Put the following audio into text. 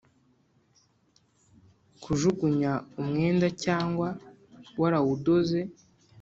Kujugunya umwenda cyangwa warawudoze